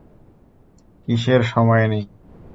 কিসের সময় নেই?